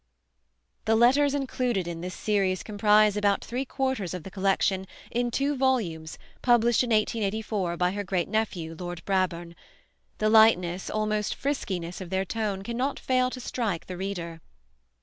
The letters included in this series comprise about three quarters of the collection in two volumes published in 1884 by her great nephew Lord Brabourne. The lightness, almost friskiness, of their tone cannot fail to strike the reader.